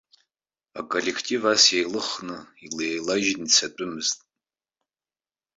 Аколлектив ас еилыхны, илеилажьны ицатәымызт.